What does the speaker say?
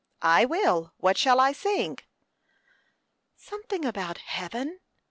"I will; what shall I sing?" "Something about heaven?"